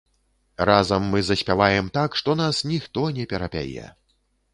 Разам мы заспяваем так, што нас ніхто не перапяе.